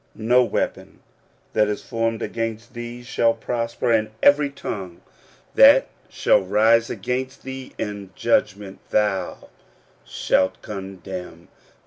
"No weapon that is formed against thee shall prosper ; and every tongue that shall rise against thee in judgment thou shalt condemn.